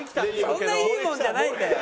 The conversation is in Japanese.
そんないいもんじゃないんだよ！